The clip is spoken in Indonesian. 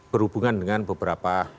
berhubungan dengan beberapa